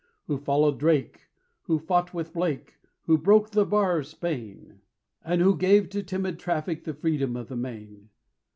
Who followed Drake; who fought with Blake; who broke the bar of Spain, And who gave to timid traffic the freedom of the main.